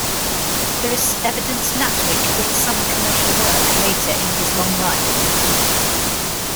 There is evidence Natwick did some commercial work later in his long life.